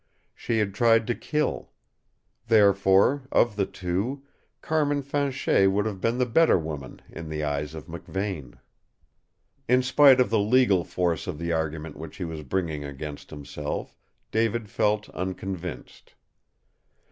She had tried to kill. Therefore, of the two, Carmin Fanchet would have been the better woman in the eyes of McVane. In spite of the legal force of the argument which he was bringing against himself, David felt unconvinced.